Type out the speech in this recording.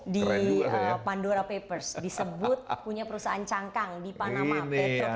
di pandora papers disebut punya perusahaan cangkang di panama patro jaya